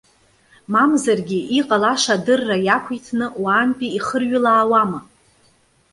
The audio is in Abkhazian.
Мамзаргьы, иҟалаша адырра иақәиҭны, уаантәи ихырҩылаауама?